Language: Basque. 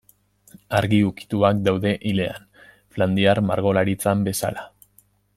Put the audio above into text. Argi ukituak daude ilean, flandriar margolaritzan bezala.